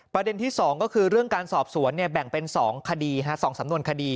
ประเด็นที่สองก็คือเรื่องการสอบสวนเนี่ยแบ่งเป็นสองคดีสองสำนวนคดี